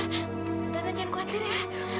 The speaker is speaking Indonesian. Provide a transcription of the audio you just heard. tante jangan khawatir ya